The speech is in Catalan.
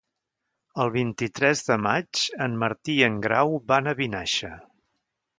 El vint-i-tres de maig en Martí i en Grau van a Vinaixa.